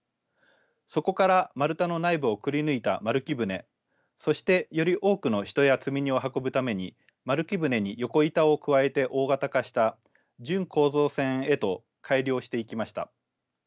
そこから丸太の内部をくりぬいた丸木舟そしてより多くの人や積み荷を運ぶために丸木舟に横板を加えて大型化した準構造船へと改良していきました。